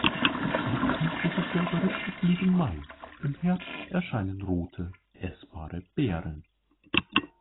Die Kantige Berberitze blüht im Mai, im Herbst erscheinen rote, essbare Beeren.